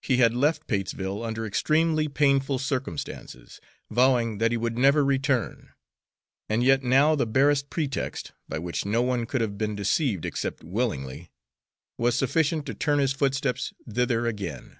He had left Patesville under extremely painful circumstances, vowing that he would never return; and yet now the barest pretext, by which no one could have been deceived except willingly, was sufficient to turn his footsteps thither again.